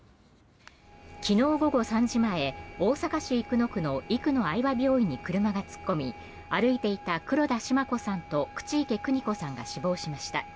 昨日午後３時前大阪市生野区の生野愛和病院に車が突っ込み歩いていた黒田シマ子さんと口池邦子さんが死亡しました。